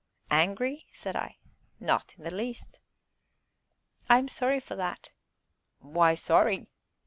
"Angry?" said I; "not in the least." "I am sorry for that." "Why sorry?"